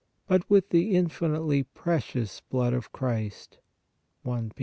. but with the (infinitely) precious blood of Christ" (I Pet.